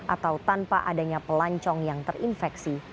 atau tanpa adanya pelancong yang terinfeksi